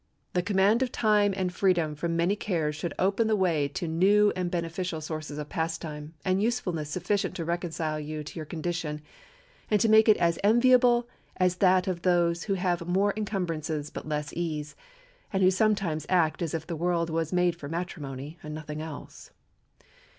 The command of time and freedom from many cares should open the way to new and beneficial sources of pastime and usefulness sufficient to reconcile you to your condition, and to make it as enviable as that of those who have more incumbrances but less ease, and who sometimes act as if the world was made for matrimony and nothing else.